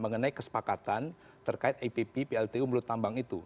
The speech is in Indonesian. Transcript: mengenai kesepakatan terkait ipp pltu mulut tambang itu